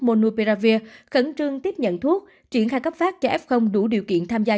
monuperavir khẩn trương tiếp nhận thuốc triển khai cấp phát cho f đủ điều kiện tham gia